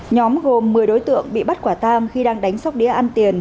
nhóm gồm một mươi đối tượng bị bắt quả tang khi đang đánh sóc đĩa ăn tiền